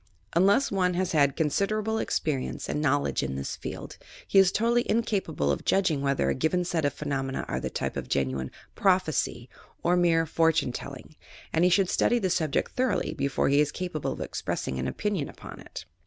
Unless one has had considerable experience and knowl edge in this field, he is totally incapable of judging TFhether a given set of phenomena are of the tjTte of genuine "prophecy" or mere "fortune telling," and he should study the subject thoroughly before he is capable of expressing an opinion upon it.